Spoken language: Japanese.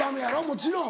もちろん。